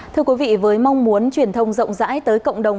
thưa quý vị với mong muốn truyền thông rộng rãi tới cộng đồng